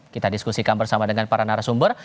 kita diskusikan bersama dengan para narasumber